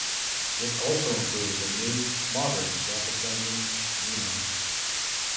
It also included a new, modern graphics engine, Xenon.